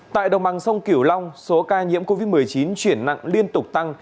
tại đồng bằng sông kiểu long số ca nhiễm covid một mươi chín chuyển nặng liên tục tăng